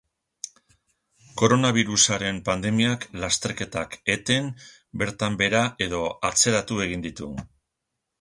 Koronabirusaren pandemiak lasterketak eten, bertan behera edo atzeratu egin ditu.